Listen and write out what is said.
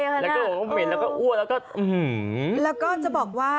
แล้วก็เหม็นแล้วก็อ้วนแล้วก็อือหือแล้วก็จะบอกว่า